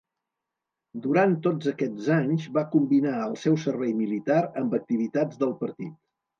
Durant tots aquests anys va combinar el seu servei militar amb activitats del Partit.